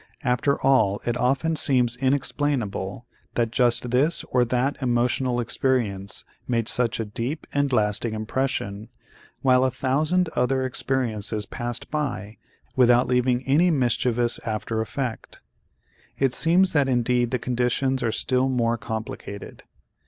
After all it often seems inexplainable that just this or that emotional experience made such a deep and lasting impression while a thousand other experiences passed by without leaving any mischievous after effect. It seems that indeed the conditions are still more complicated.